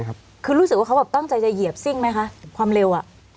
หรือว่าเขาตั้งใจจะเหยียบซิ่งไหมคะความเร็ว